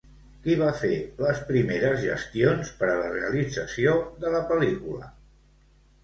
Qui va fer les primeres gestions per a la realització de la pel·lícula?